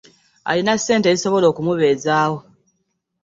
Alina ssente ezisobola okumubezaawo.